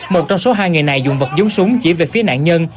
một trong số hai người này dùng vật giống súng chỉ về phía nạn nhân